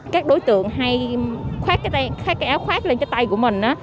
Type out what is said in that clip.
các đối tượng hay khoát cái áo khoát lên cái tay của mình